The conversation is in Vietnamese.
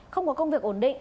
không có công việc ổn định